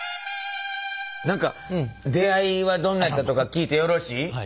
何か出会いはどんなやったとか聞いてよろしい？